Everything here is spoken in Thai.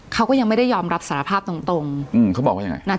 เขาก็ยังไม่ได้ยอมรับสารภาพตรงตรงอืมเขาบอกว่ายังไง